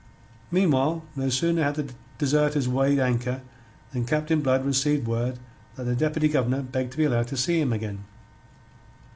Meanwhile, no sooner had the deserters weighed anchor than Captain Blood received word that the Deputy Governor begged to be allowed to see him again.